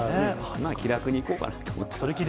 気楽にいこうかなと思って。